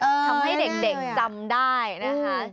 ทำให้เด็กจำได้นะคะ